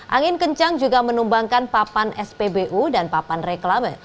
angin kencang juga menumbangkan papan spbu dan papan reklame